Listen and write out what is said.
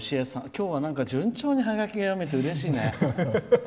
きょうは順調にハガキが読めてうれしいね。